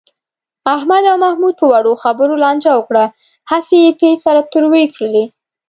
احمد او محمود په وړو خبرو لانجه وکړه. هسې یې پۍ سره تروې کړلې.